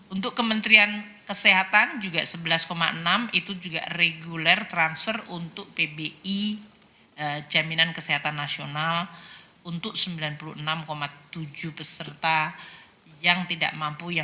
untuk kementerian kesehatan juga sebelas enam itu juga reguler transfer untuk pbi jaminan kesehatan nasional untuk sembilan puluh enam tujuh peserta yang tidak mampu